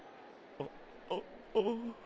あああ。